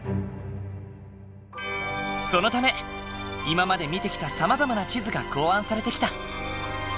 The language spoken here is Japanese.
そのため今まで見てきたさまざまな地図が考案されてきた。